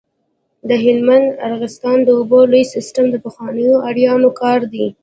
د هلمند د ارغستان د اوبو لوی سیستم د پخوانیو آرینو کار دی